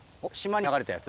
島に流れたやつ？